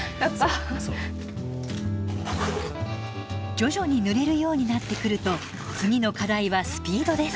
徐々に塗れるようになってくると次の課題はスピードです。